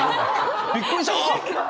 びっくりした！